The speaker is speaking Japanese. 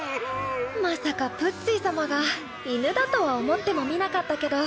まさかプッツィ様が犬だとは思ってもみなかったけど。